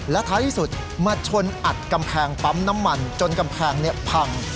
และท้ายที่สุดมาชนอัดกำแพงปั๊มน้ำมันจนกำแพงพัง